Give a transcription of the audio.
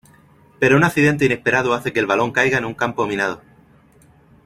Pero un accidente inesperado hace que el balón caiga en un campo minado.